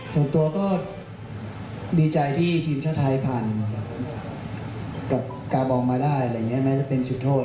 ส่วนตัวก็ดีใจที่ทีมชาติไทยผ่านกับการ์บองมาได้แม้จะเป็นจุดโทษ